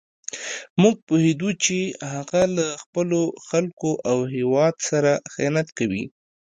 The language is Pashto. موږ پوهېدو چې هغه له خپلو خلکو او هېواد سره خیانت کوي.